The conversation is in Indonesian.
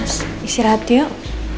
mas istirahat yuk